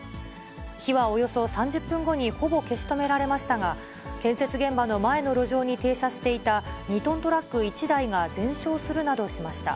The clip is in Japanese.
火はおよそ３０分後にほぼ消し止められましたが、建設現場の前の路上に停車していた２トントラック１台が全焼するなどしました。